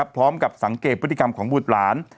พร้อมกับสังเกตพฤติกรรมของบุตรหลาน